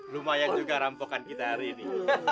lumayan juga rampokan kita hari ini